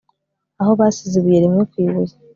aho basize ibuye rimwe ku ibuye